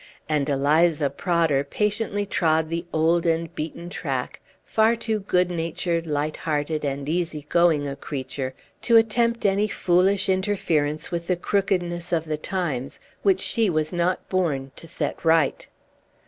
And Eliza Prodder patiently trod the old and beaten track, far too good natured, light hearted, and easy going a creature to attempt any foolish interference with the crookedness of the times, which she was not born to set right.